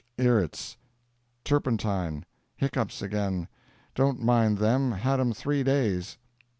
)irits turpentine. Hiccups again. Don' mind them had 'em three days."